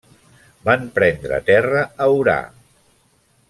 Van prendre terra a Orà.